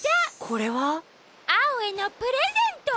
これは？アオへのプレゼント！